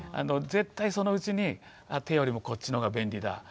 絶対そのうちに手よりもこっちの方が便利だ。